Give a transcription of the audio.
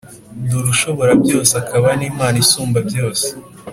Dore ushoborabyose, akaba n’Imana Isumbabyose.